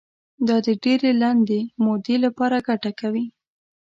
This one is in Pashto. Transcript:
دا د ډېرې لنډې مودې لپاره ګټه کوي.